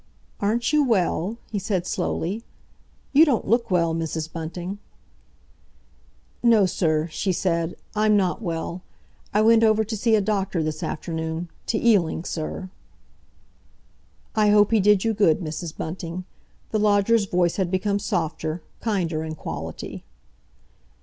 "Aren't you well?" he said slowly. "You don't look well, Mrs. Bunting." "No, sir," she said. "I'm not well. I went over to see a doctor this afternoon, to Ealing, sir." "I hope he did you good, Mrs. Bunting"—the lodger's voice had become softer, kinder in quality.